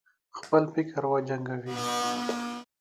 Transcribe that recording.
خپل فکر وجنګوي.